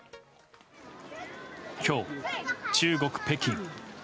今日、中国・北京。